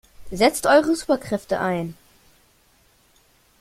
Setzt eure Superkräfte ein!